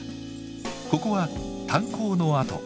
ここは炭鉱の跡。